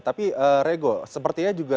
tapi rego sepertinya juga